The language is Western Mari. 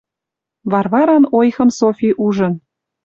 Варваран ойхым Софи ужын